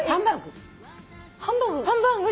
ハンバーグ。